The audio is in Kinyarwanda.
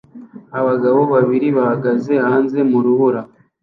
Abagabo babiri bahagaze hanze mu rubura